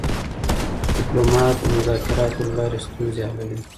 ډيپلومات د مذاکراتو له لارې ستونزې حلوي.